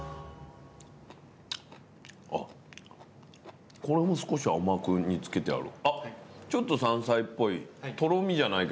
あっこれも少し甘く煮つけてある。